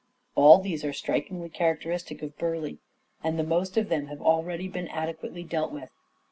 All these are strikingly characteristic of Burleigh and the most of them have already been adequately dealt with.